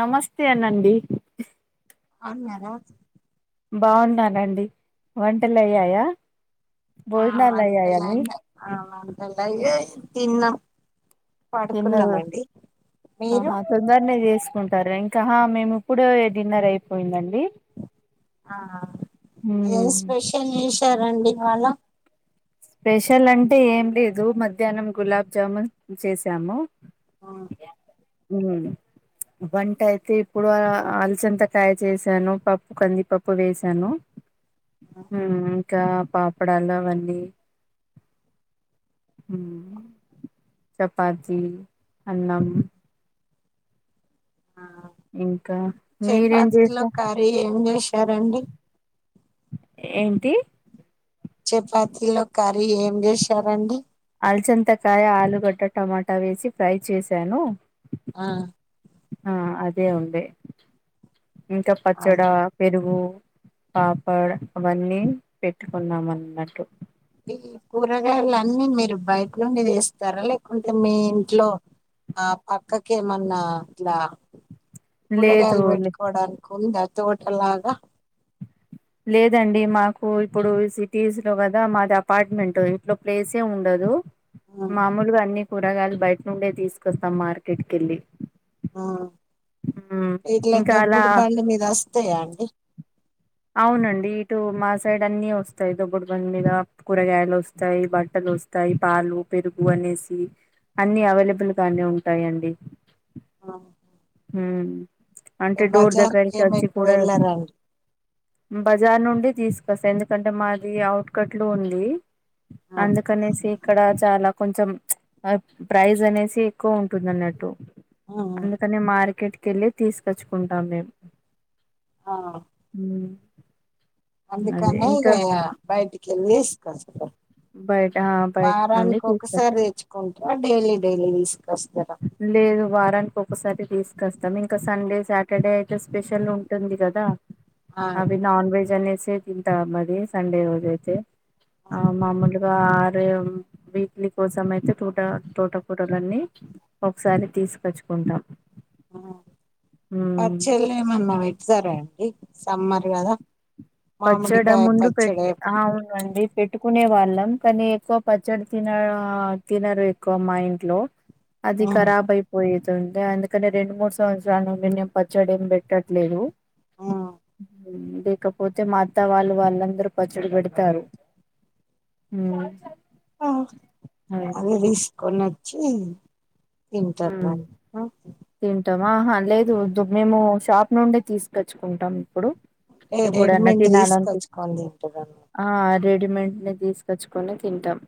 నమస్తే అనండి బన్నారా బాగున్నానండి వంటలయ్యాయా ఆ మంటంటల ఆ మంటల తిన్నం తిన్న మీరు ఆహా తొందరనే చేసుకుంటా సరే ఇంకా హ మేము ఇప్పడే డిన్నర్ అయిపోయిందండి ఆ ఏం మ్మ్. స్పెషల్ చేసారండి ఇవాళ స్పెషల్ అంటే ఏం లేదు మధ్యాహ్నం గులాబ్ జామున్ చేసాము ఆ ఉ వంట అయితే ఇప్పుడు అలచంతకాయ చేసాను పప్పు కందిపప్పు వేసాను ఇంకా పాపడాలు అవన్నీ చపాతి అన్నం ఇంకా మీరేం చపాతిలో చేసారు కర్రీ ఏం చేశారండి ఏంటి చపాతిలోకి కర్రీ ఏం చేసారండి అలచంతకాయ ఆలుగడ్డ టమాటా వేసి ఫ్రై చేశాను ఆ ఆ అదే ఉందె ఇంకా పచ్చడా అవునా పెరుగు పాపాడ్ అవన్నీ పెట్టుకున్నామన్నట్టు ఈ కూరగాయలన్నీ మీరు బయ్ క్లుండి దేస్తారా లేకుంటే మీ ఇంట్లో ఆ పక్కకేమన్నా ఇట్లా లేదు కూరగాయల్ లే పెట్టుకోడానికుందా తోటలాగ లేదండి మాకు ఇప్పుడు ఈ సిటీస్ లో కదా మాది అపార్ట్మెంట్ ఇంట్లో ప్లేసే ఉండదు ఉమ్ మామొల్గా అన్ని కూరగాయలు బయట్నుండే తీస్కొస్తం మార్కెట్ కెళ్ళి ఆ మ్, ఇట్లా ఇంకా అలా దొబ్బడు బండి మీద వస్తయా అండి అవునండి ఇటు మా సైడ్ అన్నీ వస్తయ్ దొబ్బుడుబండి మీద కూరగాయలొస్తాయి బట్టల్ లొస్తాయి పాలు పెరుగు అనేసి అన్ని అవైలబుల్ గానే ఉంటాయండి హూ ఇగ అంటే డోర్ బజార్కి దగ్గరికె ఏమి వొచ్చి ఎక్కువ కూడా వెళ్ళరండి బజార్ నుండి తీసుకొస్త ఎందుకంటే మాది ఔట్కట్లు ఉంది ఆ అందుకనేసి ఇక్కడ చాలా కొంచం [unintelligible] ప్రైజ్ అనేసి ఎక్కువ ఉంటుంది అన్నట్టు అందుకనే మార్కెట్ కెళ్ళి తీసుకచ్చుకుంటాం మేమ్ ఆ ఊ అందుకనే ఇగ బయిటికెళ్ళేస్ బయట ఆ, [inaudible] బయట వారాన్ నుండి తీసుకొ కొకసారి తెచ్చుకుంట్రా డేలీ డైలీ దీస్ లేదు వారాన్ కొ కొక్కసారె తీసుకొస్తాం ఇంకా సండే శాటర్డే అయితే స్పెషల్ ఉంటుంది కదా ఆ, అవి నాన్ వెజ్ అనేసె తింటా అది సండే రోజైతే ఆ మామొలు గా వారేమ్ వీక్లీ కోసం అయితే టూట తోటపూటలన్నీ ఒక్సారి తీస్ కచ్చుకుంటాం ఆ పచ్చళ్ళేమన్న పెడతారా అండి సమ్మర్ గదా పచ్చడ ముందు పెట్టె అవునండి పెట్టుకునే వా ళ్ళం కానీ ఎక్కువ పచ్చడి తిన తినరు ఎక్కువ మా ఇంట్లో అది ఆ, ఖరాబ్ అయిపోయేద్ ండ అందుకనె రెండు మూడు సంవత్సరాల నుండి నేన్ పచ్చడేం బెట్టట్లేదు ఆ. లేకప్ మా అత్త వాళ్ళు వాళ్ళందరూ పచ్చడి బెడతారు ఊ ఆ అది దీస్కొనొచ్చి ఊ తింటవ ఆహా లేదు ద మేము షాప్ నుండి తీసుకొచ్చుకుంటాం ఇప్పుడు ఇప్పుడు ఎండకి రెడీమేడ్ నాయ్ నొల్కి తీసుకొచ్చుకొని తింటారు ఆ రెడీమేంట్ నే తీస్కొచ్చుకొనె తింటాం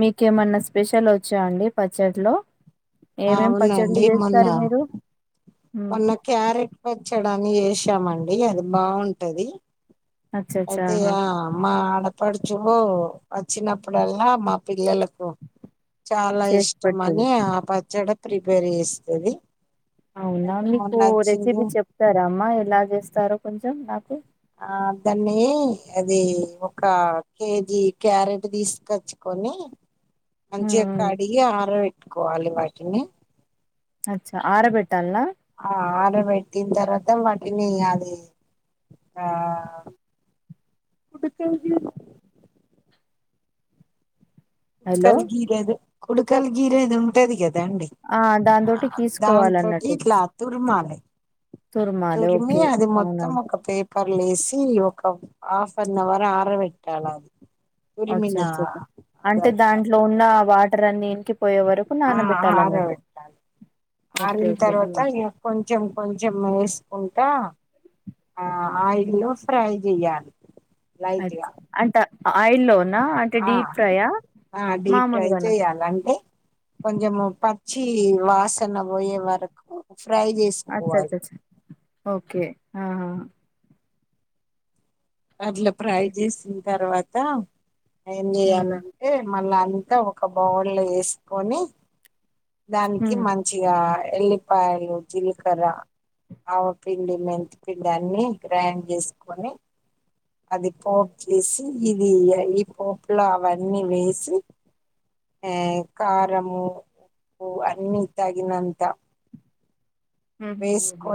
మీకేమన్నా స్పెషలొచ్చా అండి పచ్చల్లో అవునండి మొన్న మొన్న క్యారెట్ పచ్చడా అని ఏషామండి అది బావుంటది అచ్చ అచ్చా ఆహా అయితేయా మా ఆడపడుచు వచ్చినప్పుడల్లా మా పిల్లల కు చాలా చేసి పెడుతుంది ఇష్టమని ఆ పచ్చడ ప్రిపేర్ జేస్తది అవునా మీకు రెసిబి చెప్తారా అమ్మా ఎలా జేస్తారో కొంచెం నాకు ఆ దాన్ని అది ఒక కేజీ క్యారెట్ దీస్కచ్చుకో ని మంచిగా కడిగి ఆర వెట్టుకోవాలి వాటిని అచ్చ ఆరబెట్ ఆ ఆరబెట్టిన్ తర త్తం వాటిని అదీ ఆ కుడుకల్ గీర్ హలో కుడుకల గీరేది కుడుకల్ గీరేది ఉంటది గద్ దండి ఆ ఆ దాంతోటి దాంతోటి గీసుకోవాలన్నట్టు ఇట్లా తుర్మాలే. తుర్మాలి తురిమీ ఓకే అది అవునా మొత్తం ఒక పేప్ పర్ లేసీ ఒకా హాఫ్ అన్ అవర్ ఆరబెట్టాల అది. అచ్చ తురిమిన అచ్చ అచ్చ అంటే అదంతా దాంట్లో ఉన్నా వాటర్ అన్నీ ఇంకి. పోయే వరకు నానబెట్టాలన్నట్టు. ఓకే ఆరిన్ ఓకే తర్వాతా ఇగా కొంచెం కొంచెం ఏసి. కుంటా ఆ ఆయిల్లో ఫ్రై జెయ్యాలి. అచ్ అంటా ఆయిల్లో ఆ ఆ డీప్ ఫ్రై మామూలుగానా చెయ్యాల అంటే కొంచెము ప ఛ్ఛీ వాసన పొయ్యే వరకూ. అచ్చ అచ్చ ఛ ఓకే ఆహా అట్లా ఫ్రై చేసిన్ తర్వాతా ఏం హ్మ్ జెయ్యాలంటే. మళ్ళా అంతా ఒక బౌల్లో ఏసుకొనీ దానికి హ్మ్ మంచిగా ఎల్లిపాయలు, జిల్కరా ఆవపిండి, మెంతి పిండి అన్నీ గ్రైండ్ చేసుకొని. అది పోపు చేసి ఇది ఈ పోపులో అవన్నీ వేసి. ఆఇది కారమూ, ఉప్పూ అన్నీ తగినంతా ఊహ్ము ఊహ్ము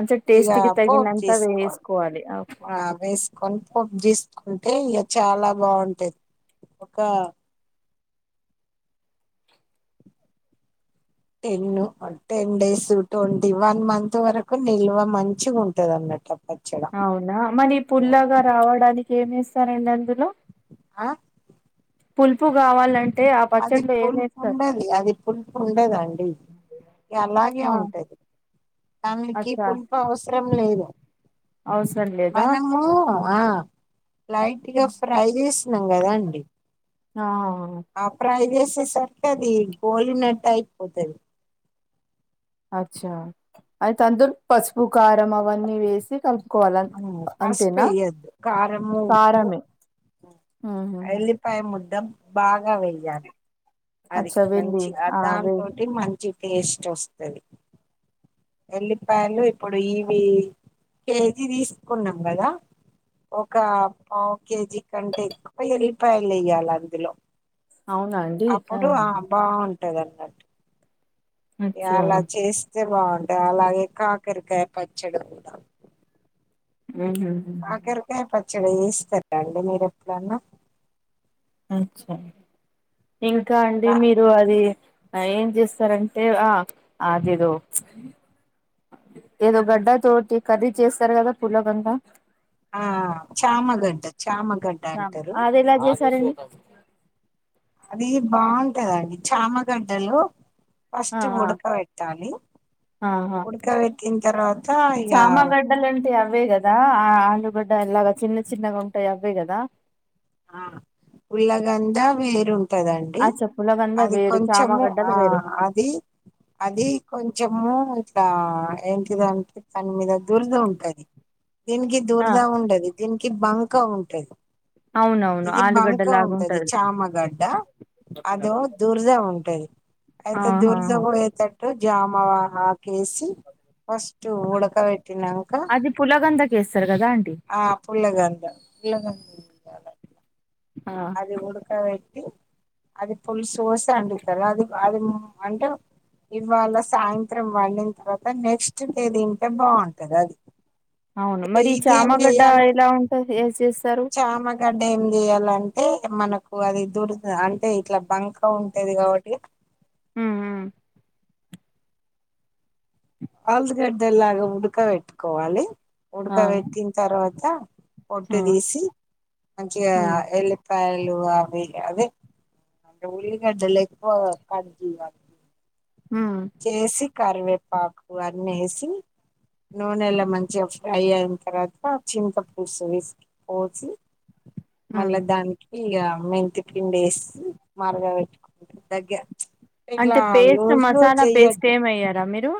అంచే ఇక టేస్ట్ కి పోపు తగినంతా వేసుకోవాలి అ ఓకే. కొంచెం జీసుకుంటే ఇగ చాలా బాగుంటది ఒకా ten ten days twenty one month వరకు నిల్వ మంచిగుంటది అన్నట్లు. అవునా మరి పుల్లగా రావడానికి ఏమి ఏస్తారండి అందులో. ఆ పుల్పు గావాలం అది పుల్పు ఉండది అది పుల్పు ఉండదండి. ఇగ అలాగే ఆ ఉంటది దానికీ అచ్చా పులుపు అవసరం లేదు. అవసరం లేదా మనమూ ఆ లైట్ గా ఫ్రై చేశినం గదా అండి. ఆ అవును ఆ ఫ్రై చేసేసరికి అదీ గోలి నట్ట్ అయిపోతది. అఛ్ఛా ఐతే అందుల్ పసుపూ, కారం అవన్నీ వేసి కల్ప్ ఆ పస్పు ఎయద్దు కారము, ఉప్పు కారమే ఉహు ఎల్లిపాయ ముద్దా బాగా వెయ్యాలి. అది అచ్చా వెల్లి మంచిగా ఆ వె దాంతోటి మంచి టేస్ట్ వస్తది. ఎల్లిపాయలు ఇప్పుడు ఈవీ కేజీ తీసుకున్నాం గదా. ఒకా పావు కేజీ కంటే ఎక్కువ ఎల్లిపాయలు ఎయ్యాల అందులో. అవునా అండి అప్పుడూ ఆహా ఆ బాగుంటది అన్నట్టు. ఇగ అచ్చా అలా చేస్తే బాగుంటది అలాగే కాకరికాయ పచ్చడి గూడా. ఊహ్ము [unintelligible] చేశి పెడతా [inaudible] అండి మీరు ఎప్పుడన్నా. అఛ్చ ఇంకా అండి మీరు అదీ ఆ ఏం చేస్తారంటే ఆ అదేదో ఏదో గడ్డ తోటి కర్రీ చేస్తారు గదా పులగం లా ఆ చామగడ్డ చామగడ్ అదెలా చేస్తారండి? అది బావుంటదండి చామగడ్డలో ఫస్ట్ ఆహా ఉడక బెట్టాలి ఉడకబెట్టిన తర్వా చామగడ్డలొన్ అంటే అవే గదా ఆ ఆలుగడ్డ లాగా చిన్న చిన్నగా ఉంటాయి అవే గదా ఆ ఉల్లగంజ వేరు ఉంటదండి. ఆ చెప్పులగంద అది వేరు కొంచెము ఆ చామగడ్డలు వేరు అది అది కొంచెము ఆ ఎంటిదంటే దాని మీద దుర్ధ ఉంటది. దీనికి ఆ దురద ఉండది దీనికి బంకా ఉంటది. అవునవును ఇది ఆలుగడ్డ బంక లాగా ఉంటది చామగడ్డ. అదేమో దురద ఉంటది అయితే ఆహా దురద పోయేటట్టు జామ వా ఆ కేేసి ఫస్ట్ ఉడక బెట్టినాంక అది పులగందకి వేస్తారు కదా ఆంటీ ఆ పుల్లగుంది పుల్లగుంది [unintelligible] ఆ అది గూడ కాయ్ అది పులుసు పోసి వండుతారు అది అది ఊమ్ అంటే ఇవ్వాళ సాయంత్రం వండిన తర్వాత నెక్స్ట్ డే తింటే బాగుంటది అది అవును మరి ఈ చామగడ్డ ఎలా ఉంటది. [unintelligible] చామ గడ్డ ఏం చెయ్యాలంటే మనకు అది దురద అంటే ఇట్లా బంక ఉంటది కాబట్టి హుమ్ ఊమ్ ఆలుగడ్డల్లాగా ఉడక బెట్టుకోవాలి ఉడక ఆ బెట్టిన తర్వాత పొట్టు ఆ తీసి మంచిగా ఉమ్ ఎల్లిపాయలు అవి అదే దాంట్లో ఉల్లిగడ్డలు ఎక్కువ కట్ చేయాలి. హుమ్ చేసి కరివేపాకు అన్నేసి నూనెలా మంచిగా ఫ్రై అయిన తర్వాత చింత పలుసు పిసికి పోసి ఉమ్ మళ్ళా దానికి ఇగ మెంతి పిండేసి మరగ పెట్టుకుంటే దగ్గ ఇట్లా అంటే paste loose loose masala paste చెయ్యద్దు ఏమి వేయ్యారా మీరు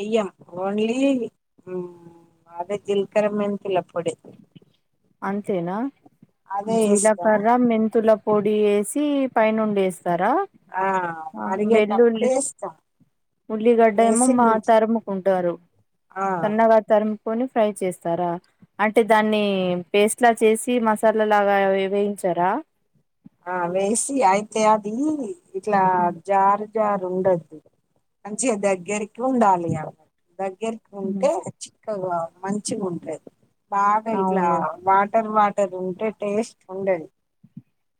ఎయ్యం ఓన్లీ ఊమ్ బాగ జీలకర్ర మెంతుల పొడి అంతేనా అదే వేస్తాం జీలకర్ర మెంతుల పొడి వేసి పైనుండేస్తరా ఆ ఆ మరిగేటప్పుడు వెల్లుల్లి వేస్తాం ఉల్లిగడ్డ ఏమో వేసి మా దించు తరుముకుంటారు ఆ సన్నగా తరుము కొని ఫ్రై చేస్తారా అంటే దాన్ని పేస్ట్ లా చేసి మసాలా లాగా వే వేయించారా? ఆ వేసి అయితే అది ఇట్లా జార్ జారు ఉండద్దు మంచిగా దగ్గరికి ఉండాలి ఇగా దగ్ దగ్గరకి ఉంటే చిక్కగా మంచిగుంటది బాగా ఇట్లా అవును వాటర్ వా టర్ ఉంటే టేస్ట్ ఉండది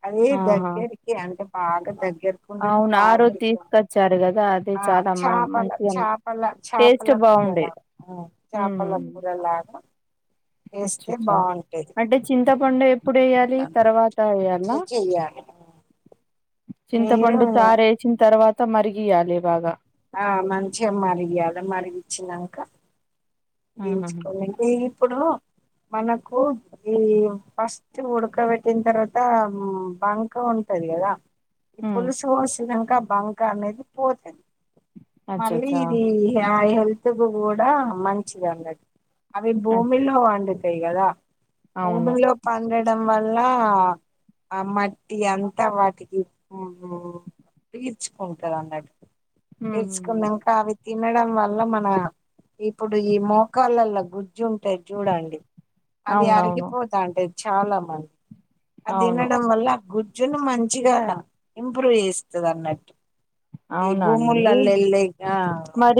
అది ఆహా దగ్గరికి అంటే బాగా దగ్ గ్గరకి ఉండాలి అవును ఆ బాగ రోజు ఇట్లా తీసుకొచ్చారు కదా అదే ఆ చాలా మ చాపల మంచిగా చాపల టేస్ట్ చాపల కూర బాగుండే లాగ ఆ చాపల కూర లాగా అచ్చచ్చా అంటె చింతపండు ఎప్పుడెయ్యా లి తర్వాత ఎయ్యాల్నా అట్లా చెయ్యాలి మీరు చింతపండు చారేచి తర్వాత మరిగియ్యాలి బాగా ఆ మంచిగా మరిగియాలి దించుకొని ఇగిఇప్పుడూ మనకూ ఈ ఫస్ట్ ఉడకబెట్టిన్ తర్వతా మ్ బంగ్ క ఉంటది గదా ఈ పులుసు పోసినంక బంక అనేది పోతది మళ్ళీ అచ్చచ్చ ఇది ఆ హెల్త్ కు గూడా మంచిదే అన్న అవి భూమిలో పండుతయి గదా అవును భూమిలో పండడం వల్లా ఆ మట్టి అంత వాటికి మ్మ్ మ్మ్మ్మ్ తీర్చుకుంటారన్నట్టు తీర్సుకున్నంక అవి తినడం వల్ల మనా ఇ ప్పుడు ఈ మోకాళ్లల్ల గుజ్జుంటది జూడండి అది అవునవును అరిగిపోతాంటది చాలా మంది అవును అద్దినడం వల్ల గు జ్జును మంచిగాల ఇంప్రూవ్ జేస్తదన్నట్టు ఈ అవునానండి భూముల్లల్లెల్లే గా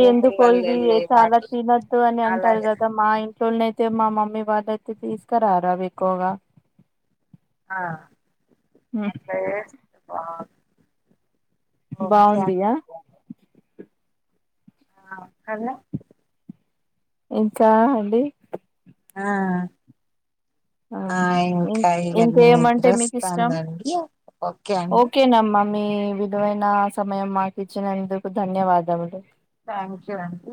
భూముల్లల్లెల్లే వాటి నద్దు అని అంటారు అలాగే గదా మా ఇం ట్లోనైతే మా మమ్మీ వాళ్ళయితె తీస్కరారవి ఎక్కువగా ఆ అట్ల జాస్తె బా బావుందిగా ఆ కద ఇంకా అండి ఆ ఆ ఇంకా ఇంక్ ఇగ ఇంకేమంటె మీకిష్టం నిద్రొస్తాందండి ఓకే అండి ఓకేనమ్మ మీ విలువైనా సమయం మాకిచ్చినందుకు ధన్యవాదములు థ్యాంక్యూ అండి